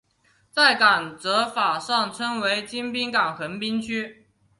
在港则法上称为京滨港横滨区。